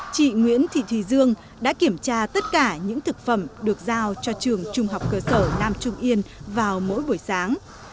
chị nguyễn thị thùy dương đã kiểm tra tất cả những thực phẩm được giao cho trường trung học cơ sở nam trung yên vào mỗi buổi sáng